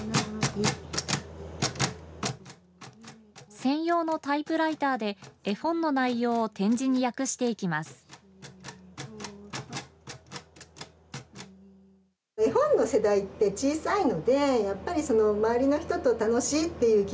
専用のタイプライターで絵本の内容を点字に訳していきます。